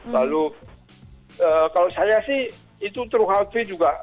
lalu kalau saya sih itu terhati juga